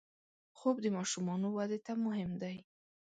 خوب د ماشومانو وده ته مهم دی